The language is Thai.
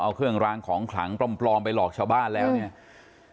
เอาเครื่องรางของขลังปลอมไปหลอกชาวบ้านแล้วเนี่ย